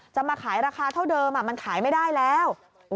จะมาขายราคาเท่าเดิมมันขายไม่ได้แล้ว